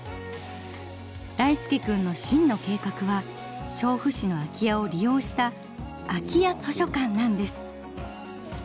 大輔くんの真の計画は調布市の空き家を利用した空き家図書館なんです。